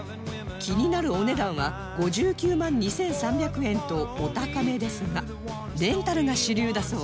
気になるお値段は５９万２３００円とお高めですがレンタルが主流だそう